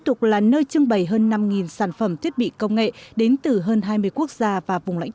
tục là nơi trưng bày hơn năm sản phẩm thiết bị công nghệ đến từ hơn hai mươi quốc gia và vùng lãnh